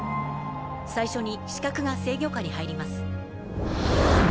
最初に視覚が制御下に入ります。